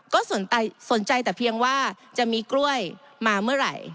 ก็สนใจแต่เพียงว่าจะมีกล้วยมาเมื่อไหร่